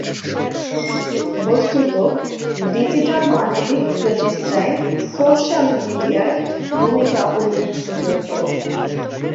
বস্তুত, ডিজিটাল মানবিক প্রচেষ্টায় সোশ্যাল মিডিয়ার ভূমিকা উল্লেখযোগ্য।